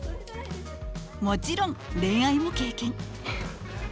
もちろん恋愛も経験。